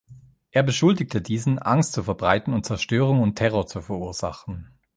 Er beschuldigte diesen, Angst zu verbreiten und Zerstörung und Terror zu verursachen.